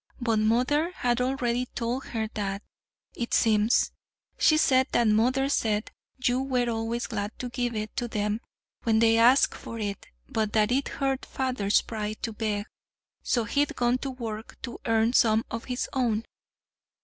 But mother had already told her that, it seems. She said that mother said you were always glad to give it to them when they asked for it, but that it hurt father's pride to beg, so he'd gone to work to earn some of his own."